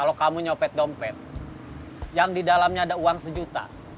kalau kamu nyopet dompet yang di dalamnya ada uang sejuta